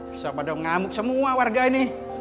bisa pada ngamuk semua warga ini